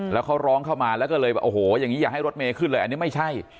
แล้วเขาร้องเข้ามาแล้วก็เลยแบบโอ้โหอย่างนี้อย่าให้รถเมย์ขึ้นเลยอันนี้ไม่ใช่